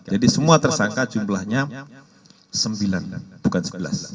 jadi semua tersangka jumlahnya sembilan bukan sebelas